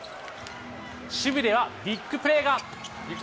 守備ではビッグプレーが。